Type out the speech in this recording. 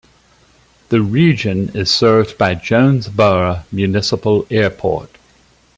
The region is served by Jonesboro Municipal Airport.